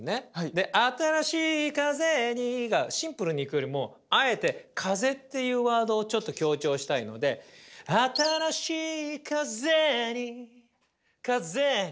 で「新しい風に」がシンプルにいくよりもあえて「風」っていうワードをちょっと強調したいので「新しい風に」カゼーニ。